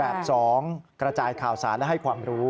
๒กระจายข่าวสารและให้ความรู้